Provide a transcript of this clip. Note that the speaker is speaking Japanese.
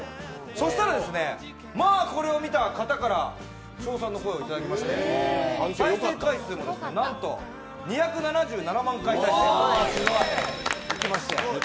そうしたら、まぁ、これを見た方から称賛の声をいただきまして、再生回数もなんと２７７万回再生いきまして。